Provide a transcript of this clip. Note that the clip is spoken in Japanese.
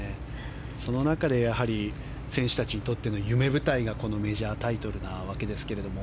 その中で選手たちにとっての夢舞台がこのメジャータイトルなわけですけども。